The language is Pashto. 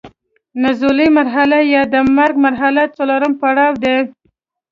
نزولي مرحله یا د مرګ مرحله څلورم پړاو دی.